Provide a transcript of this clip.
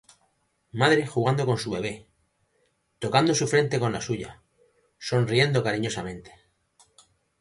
Madre jugando con su bebé, tocando su frente con la suya, sonriendo cariñosamente.